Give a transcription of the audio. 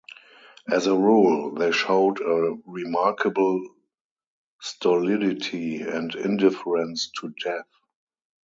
As a rule, they showed a remarkable stolidity and indifference to death.